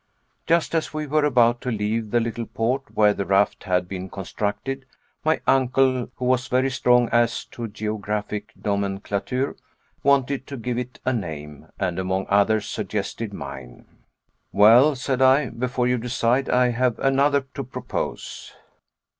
Just as we were about to leave the little port where the raft had been constructed, my uncle, who was very strong as to geographic nomenclature, wanted to give it a name, and among others, suggested mine. "Well," said I, "before you decide I have another to propose."